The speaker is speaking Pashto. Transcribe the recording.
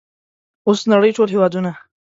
اوس د نړۍ ټول هیوادونه